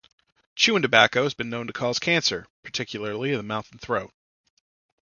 Chewing tobacco has been known to cause cancer, particularly of the mouth and throat.